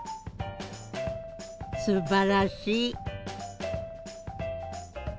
すばらしい。